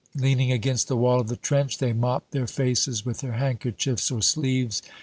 Leaning against the wall of the trench, they mop their faces with their handkerchiefs or sleeves.